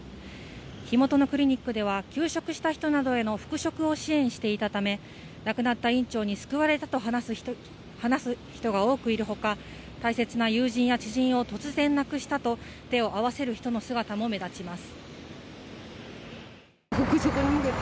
地元のクリニックでは休職した人などへの復職を支援していたため亡くなった院長に救われたと話す人が多くいるほか大切な友人や知人を突然亡くしたと手を合わせる人の姿も目立ちます